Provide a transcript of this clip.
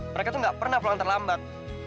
mereka tuh gak pernah pulang terlambat